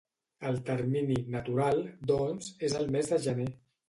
El termini ‘natural’, doncs, és el mes de gener.